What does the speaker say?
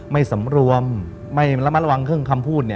สำรวมไม่ระมัดระวังเครื่องคำพูด